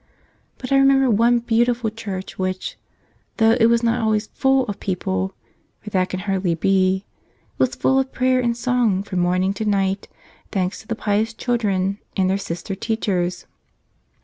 But I remember one beautiful church which, though it was not always full of people — for that can hardly be — was full of prayer and song from morning to night, thanks to the pious children and their Sister teachers.